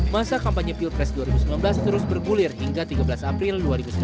masa kampanye pilpres dua ribu sembilan belas terus bergulir hingga tiga belas april dua ribu sembilan belas